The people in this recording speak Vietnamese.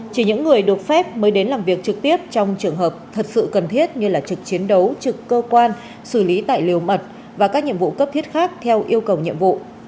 chỉ những người được phép mới đến làm việc trực tiếp trong trường hợp thật sự cần thiết như trực chiến đấu trực cơ quan xử lý tài liệu mật và các nhiệm vụ cấp thiết khác theo yêu cầu nhiệm vụ